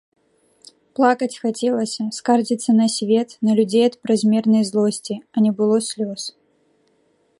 Плакаць хацелася, скардзіцца на свет, на людзей ад празмернай злосці, а не было слёз.